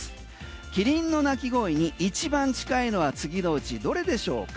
キリンの鳴き声に一番近いのは次のうちどれでしょうか？